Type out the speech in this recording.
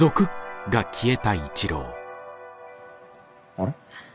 あれ？